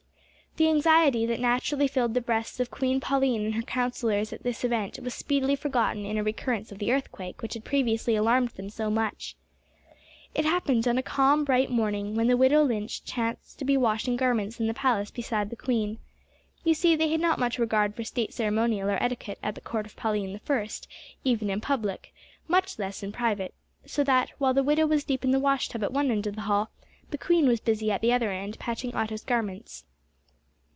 The anxiety that naturally filled the breasts of Queen Pauline and her councillors at this event was speedily forgotten in a recurrence of the earthquake which had previously alarmed them so much. It happened on a calm, bright morning, when the widow Lynch chanced to be washing garments in the palace beside the queen. You see they had not much regard for state ceremonial or etiquette at the court of Pauline the First even in public, much less in private, so that, while the widow was deep in the washtub at one end of the hall, the queen was busy at the other end patching Otto's garments.